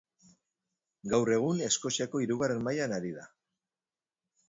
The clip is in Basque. Gaur egun Eskoziako hirugarren mailan ari da.